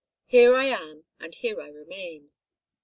Here I am and here I remain."